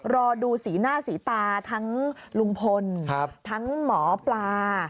รอดูสีหน้าสีตาทั้งลุงพลทั้งหมอปลา